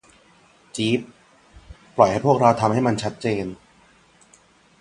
จีฟ ปล่อยให้พวกเราทำมันให้ชัดเจน